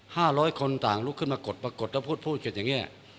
ร้อยคนต่างลุกขึ้นมากดปรากฏแล้วพูดพูดกันอย่างเงี้ย